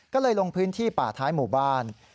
ก็เลยลงพื้นที่ป่าท้ายหมู่บ้าน